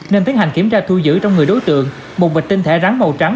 nên tiến hành kiểm tra thu giữ trong người đối tượng một bịch tinh thể rắn màu trắng